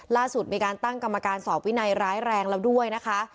ล่าสุดมีการตั้งกรรมการสอบวินัยร้ายแรงแล้วด้วยนะคะ